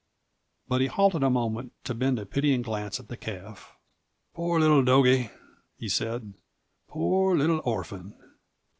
But he halted a moment to bend a pitying glance at the calf. "Poor little dogie," he said; "poor little orphan.